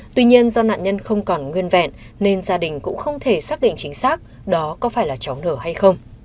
tuy nhiên do nạn nhân không còn nguyên vẹn nên gia đình cũng không thể xác định chính xác đó có phải là cháu nở hay không